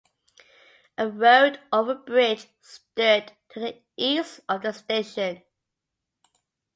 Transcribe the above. A road overbridge stood to the east of the station.